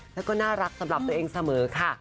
แล้วก็น่ารักสำหรับตัวเองเสมอค่ะ